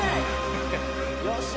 よっしゃ！